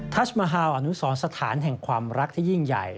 ชมฮาวอนุสรสถานแห่งความรักที่ยิ่งใหญ่